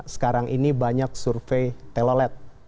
sekarang ini banyak survei telolet